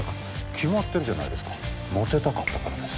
決まってるじゃないですかモテたかったからです